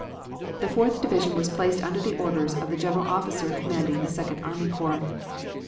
"The Fourth Division was placed under the orders of the general officer commanding the Second Army Corps.